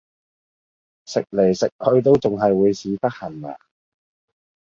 食嚟食去都仲係會屎忽痕呀